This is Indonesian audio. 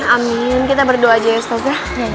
amin kita berdoa aja ya ustazyah